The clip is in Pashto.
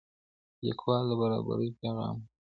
لیکوال د برابرۍ پیغام ورکوي.